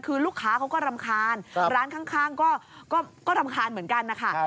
คือลูกค้าเขาก็รำคาญร้านข้างก็รำคาญเหมือนกันนะคะ